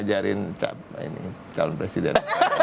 jadi kalau kita menjahatin calon presiden